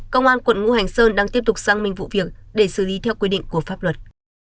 công an quận ngũ hành sơn đang tiếp tục sang minh vụ việc để xử lý theo quy định của pháp luật